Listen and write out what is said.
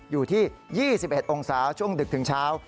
อยู่ที่๒๑องศาช่วงดึกถึงเช้า